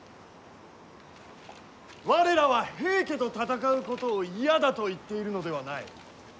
我らは、平家と戦うことを嫌だと言っているのではない。